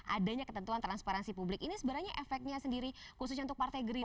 adanya ketentuan transparansi publik ini sebenarnya efeknya sendiri khususnya untuk partai gerindra